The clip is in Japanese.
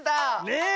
ねえ！